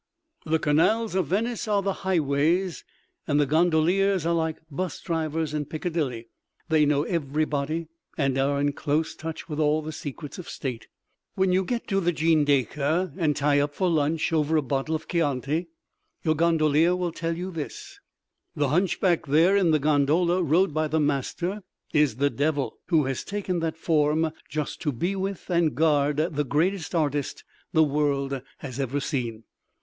The canals of Venice are the highways, and the gondoliers are like 'bus drivers in Piccadilly—they know everybody and are in close touch with all the Secrets of State. When you get to the Gindecca and tie up for lunch, over a bottle of Chianti, your gondolier will tell you this: The hunchback there in the gondola, rowed by the Master, is the Devil, who has taken that form just to be with and guard the greatest artist the world has ever seen.